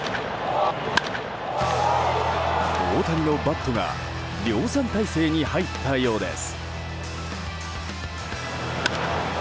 大谷のバットが量産態勢に入ったようです。